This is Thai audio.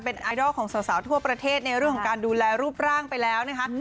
ไอดอลของสาวทั่วประเทศในเรื่องของการดูแลรูปร่างไปแล้วนะคะ